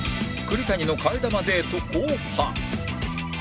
栗谷の替え玉デート後半